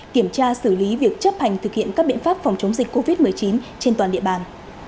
kiểm tra xử lý việc chấp hành thực hiện các biện pháp phòng chống dịch covid một mươi chín trên toàn địa bàn